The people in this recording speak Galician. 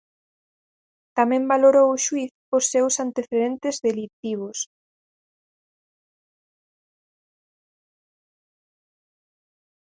Tamén valorou o xuíz os seus antecedentes delitivos.